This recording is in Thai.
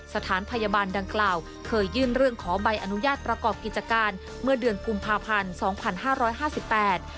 สถานพยาบาลดังกล่าวเคยยื่นเรื่องขอใบอนุญาตประกอบกิจการเมื่อเดือนกุมภาพันธ์๒๕๕๘